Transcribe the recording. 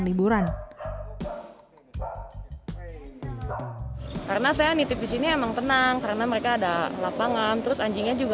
liburan karena saya nitip di sini emang tenang karena mereka ada lapangan terus anjingnya juga